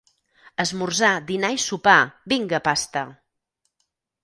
Esmorzar, dinar i sopar, vinga pasta!